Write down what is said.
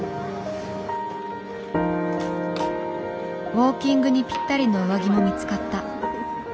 ウォーキングにぴったりの上着も見つかった。